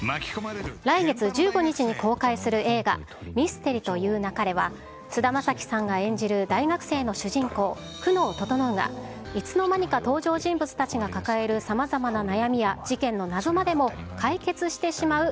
来月１５日に公開する映画、ミステリと言う勿れは、菅田将暉さんが演じる大学生の主人公、久能整がいつの間にか登場人物たちが抱えるさまざ最高！